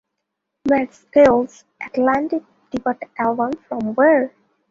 Mad Skillz' Atlantic debut album, From Where???